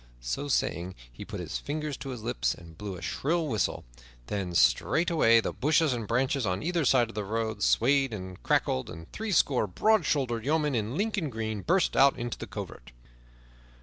So saying, he put his fingers to his lips and blew a shrill whistle. Then straightway the bushes and branches on either side of the road swayed and crackled, and threescore broad shouldered yeomen in Lincoln green burst out of the covert.